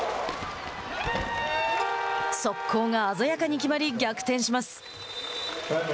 速攻が鮮やかに決まり逆転します。